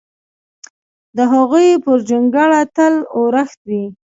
د هغوی پر جونګړه تل اورښت وي!